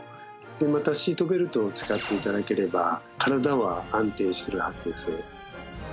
またシートベルトを使って頂ければ体は安定するはずです。